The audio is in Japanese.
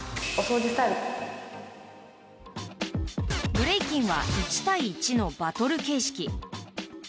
ブレイキンは１対１のバトル形式。